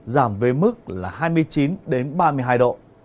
giảm với mức hai mươi chín ba mươi hai độ